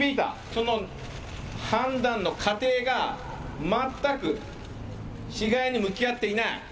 その判断の過程が全く被害に向き合っていない。